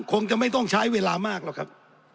คงจะไม่ต้องใช้เวลามากหรอกครับ